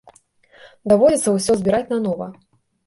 Даводзіцца ўсё збіраць нанова.